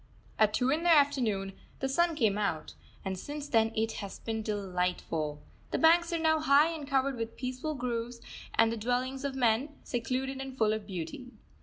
At two in the afternoon the sun came out, and since then it has been delightful. The banks are now high and covered with peaceful groves and the dwellings of men, secluded and full of beauty.